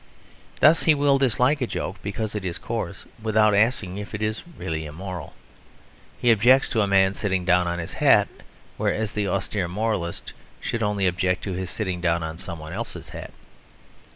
Thus he will dislike a joke because it is coarse without asking if it is really immoral. He objects to a man sitting down on his hat, whereas the austere moralist should only object to his sitting down on someone else's hat.